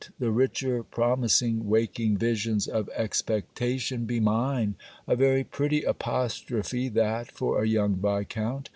The richer promising waking visions of expectation be mine! A very pretty apostrophe that for a young viscount!